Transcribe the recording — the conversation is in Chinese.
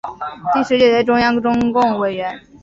第十九届中共中央委员。